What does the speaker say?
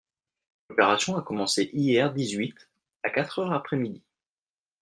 L'opération a commencé hier dix-huit, à quatre heures après midi.